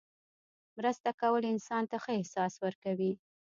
مرسته کول انسان ته ښه احساس ورکوي.